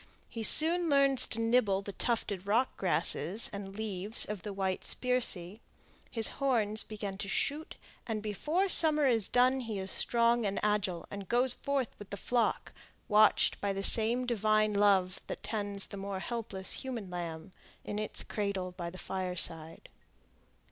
He soon learns to nibble the tufted rock grasses and leaves of the white spirsea; his horns begin to shoot, and before summer is done he is strong and agile, and goes forth with the flock, watched by the same divine love that tends the more helpless human lamb in its cradle by the fireside.